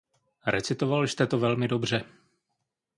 Recitoval jste to velmi dobře.